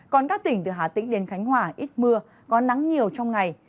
còn các tỉnh từ hà tĩnh đến khánh hòa ít mưa có nắng nhiều trong ngày